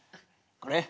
これ？